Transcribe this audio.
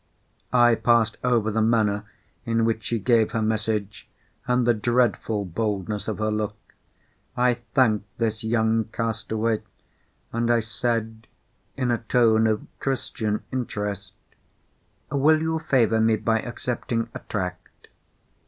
I passed over the manner in which she gave her message, and the dreadful boldness of her look. I thanked this young castaway; and I said, in a tone of Christian interest, "Will you favour me by accepting a tract?"